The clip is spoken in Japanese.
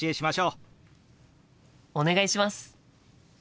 お願いします。